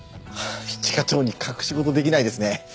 一課長に隠し事できないですね。